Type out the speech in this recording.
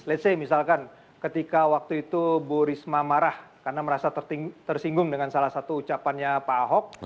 ⁇ lets ⁇ misalkan ketika waktu itu bu risma marah karena merasa tersinggung dengan salah satu ucapannya pak ahok